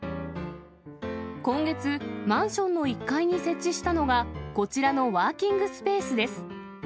今月、マンションの１階に設置したのは、こちらのワーキングスペースです。